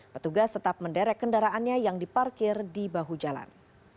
petugas tetap menderek kendaraannya yang diparkir di bahu jalan